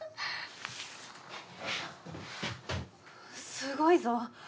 すごいぞ。